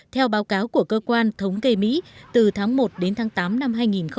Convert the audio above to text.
theo báo cáo của cơ quan thống kê mỹ từ tháng một đến tháng tám năm hai nghìn một mươi chín